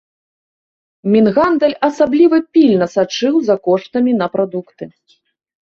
Мінгандаль асабліва пільна сачыў за коштамі на прадукты.